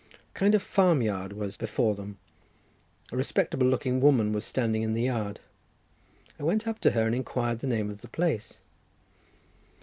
A kind of farmyard was before them. A respectable looking woman was standing in the yard. I went up to her and inquired the name of the place.